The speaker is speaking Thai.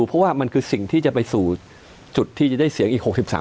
เพราะว่ามันคือสิ่งที่จะไปสู่จุดที่จะได้เสียงอีก๖๓